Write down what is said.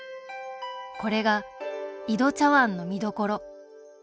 これが「井戸茶碗」の見どころ。